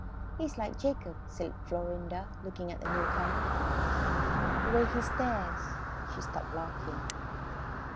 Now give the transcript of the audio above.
"He's like Jacob," said Florinda, looking at the newcomer. "The way he stares." She stopped laughing.